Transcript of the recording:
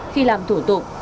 khi làm thủ tục